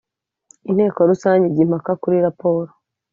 inteko rusange ijya impaka kuri raporo